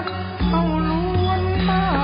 ทรงเป็นน้ำของเรา